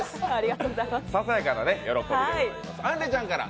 ささやかな喜びでございます。